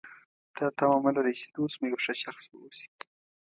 دا تمه مه لرئ چې دوست مو یو ښه شخص واوسي.